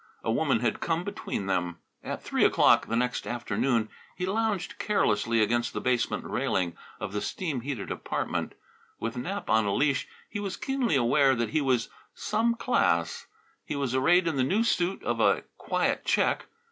A woman had come between them. At three o'clock the next afternoon he lounged carelessly against the basement railing of the steam heated apartment. With Nap on a leash he was keenly aware that he was "some class." He was arrayed in the new suit of a quiet check.